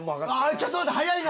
ちょっと待って来るぞ！